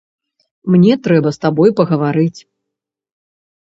Мне трэба з табой пагаварыць.